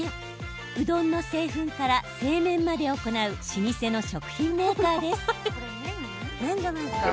うどんの製粉から製麺まで行う老舗の食品メーカーです。